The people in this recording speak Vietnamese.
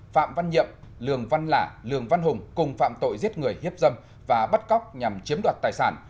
phạm văn nhiệm lường văn lả lường văn hùng cùng phạm tội giết người hiếp dâm và bắt cóc nhằm chiếm đoạt tài sản